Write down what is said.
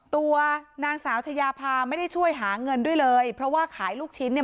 ตัวนางสาวชายาพาไม่ได้ช่วยหาเงินด้วยเลยเพราะว่าขายลูกชิ้นเนี่ย